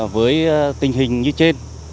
với tình hình như trên